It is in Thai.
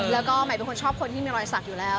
แล้วก็ใหม่เป็นคนชอบคนที่มีรอยสักอยู่แล้ว